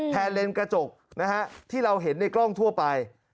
เลนกระจกนะฮะที่เราเห็นในกล้องทั่วไป